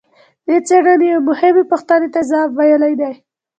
دې څېړنې یوې مهمې پوښتنې ته ځواب ویلی دی.